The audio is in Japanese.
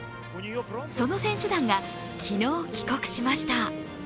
その選手団が、昨日帰国しました。